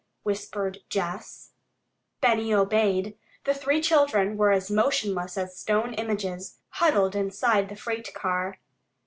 whispered Jess. Benny obeyed. The three children were as motionless as stone images, huddled inside the freight car.